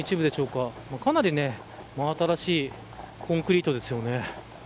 かなり真新しいコンクリートですよね。